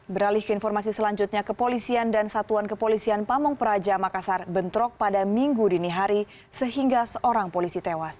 beralih ke informasi selanjutnya kepolisian dan satuan kepolisian pamung praja makassar bentrok pada minggu dini hari sehingga seorang polisi tewas